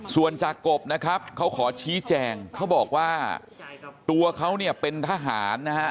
ส่วนจากกบนะครับเขาขอชี้แจงเขาบอกว่าตัวเขาเนี่ยเป็นทหารนะฮะ